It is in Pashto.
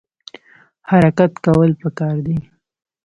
حرکت کول پکار دي